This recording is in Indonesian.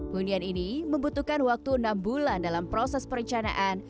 hunian ini membutuhkan waktu enam bulan dalam proses perencanaan